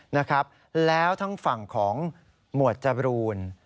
นะครับแล้วทั้งฝั่งของหมวดจบรูน